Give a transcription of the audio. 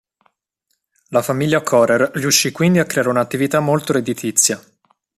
La famiglia Correr riuscì quindi a creare un’attività molto redditizia.